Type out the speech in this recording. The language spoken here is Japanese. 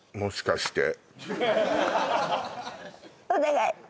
お願い！